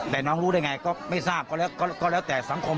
แต่น้องรู้ได้ไงก็ไม่ทราบก็แล้วแต่สังคม